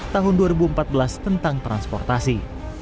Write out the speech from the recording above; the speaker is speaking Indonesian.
tahun dua ribu empat belas tentang transportasi